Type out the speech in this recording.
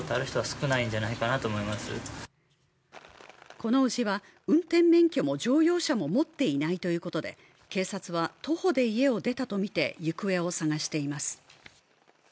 この伯父は、運転免許も乗用車も持っていないということで警察は徒歩で家を出たとみて、行方を捜しています。